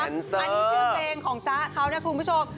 อันนี้ชื่อเพลงของจ๊ะเขานะคุณผู้ชม